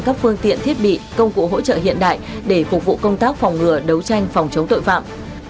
các phương tiện thiết bị công cụ hỗ trợ hiện đại để phục vụ công tác phòng ngừa đấu tranh phòng chống tội phạm